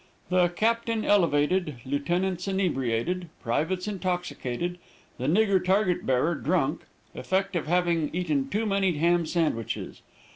The captain elevated, lieutenants inebriated, privates intoxicated, the nigger target bearer drunk effect of having eaten too many ham sandwiches.